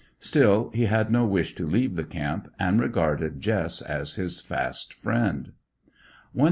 Still, he had no wish to leave the camp, and regarded Jess as his fast friend.